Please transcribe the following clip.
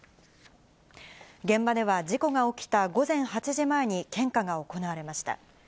現場では事故が起きた午前８時前に、献花が行われました。